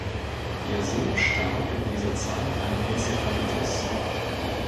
Ihr Sohn starb in dieser Zeit an Enzephalitis.